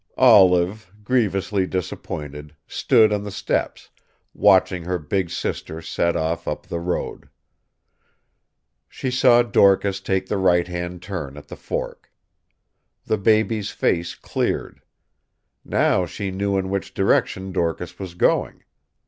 Olive, grievously disappointed, stood on the steps, watching her big sister set off up the road. She saw Dorcas take the righthand turn at the fork. The baby's face cleared. Now she knew in which direction Dorcas was going.